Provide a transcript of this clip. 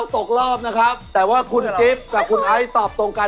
ตกรอบนะครับแต่ว่าคุณจิ๊บกับคุณไอซ์ตอบตรงกัน